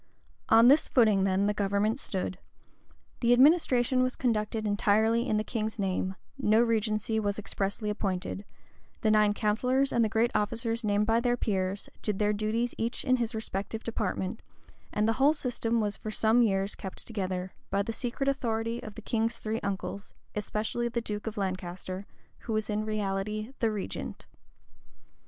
On this footing then the government stood. The administration was conducted entirely in the king's name: no regency was expressly appointed: the nine counsellors and the great officers named by the peers, did their duty each in his respective department; and the whole system was for some years kept together, by the secret authority of the king's uncles, especially of the duke of Lancaster, who was in reality the regent.